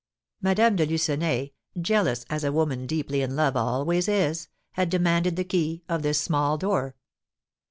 Madame de Lucenay, jealous as a woman deeply in love always is, had demanded the key of this small door.